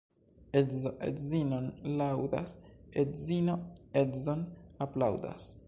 Edzo edzinon laŭdas, edzino edzon aplaŭdas.